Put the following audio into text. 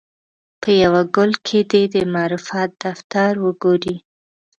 په یوه ګل کې دې د معرفت دفتر وګوري.